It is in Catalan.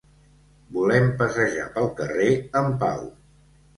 Volem passejar pel carrer en pau.